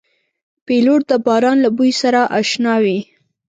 پیلوټ د باران له بوی سره اشنا وي.